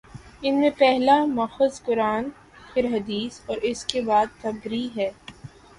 ان میں پہلا ماخذ قرآن، پھر حدیث اور اس کے بعد طبری ہیں۔